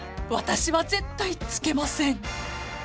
［私は絶対つけません］